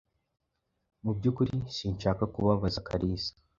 Mu byukuri sinshaka kubabaza Kalisa.